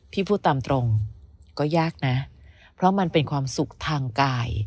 พูดตามตรงก็ยากนะเพราะมันเป็นความสุขทางกาย